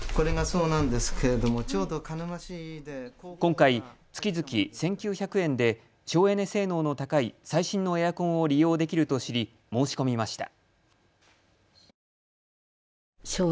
今回、月々１９００円で省エネ性能の高い最新のエアコンを利用できると知り申し込みました。